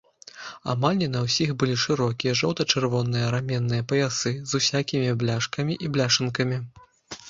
Амаль не на ўсіх былі шырокія, жоўта-чырвоныя раменныя паясы, з усякімі бляшкамі і бляшанкамі.